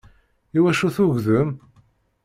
Iwacu tugdem?